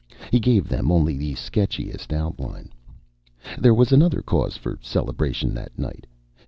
He gave them only the sketchiest outline. There was another cause for celebration that night.